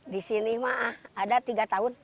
di sini mah ada tiga tahun